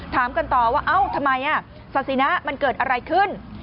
ถามกันต่อว่าเอ้าทำไมศาสินะมันเกิดอะไรขึ้น